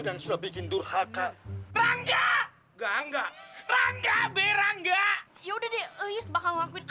saya sakit aja pak